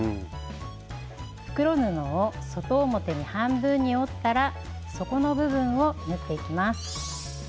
袋布を外表に半分に折ったら底の部分を縫っていきます。